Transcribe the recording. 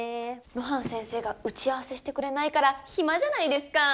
露伴先生が打ち合わせしてくれないからヒマじゃないですかー。